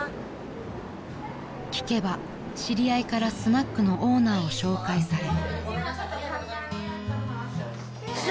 ［聞けば知り合いからスナックのオーナーを紹介され］